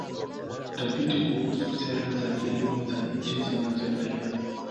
Utafiti kuhusu sera za kilimo za nchi zinazoendelea.